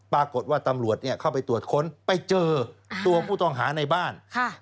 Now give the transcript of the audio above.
ปรากฏว่าตำรวจเข้าไปตรวจค้นไปเจอตัวผู้ต้องหาในบ้าน